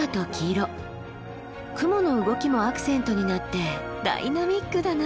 雲の動きもアクセントになってダイナミックだな。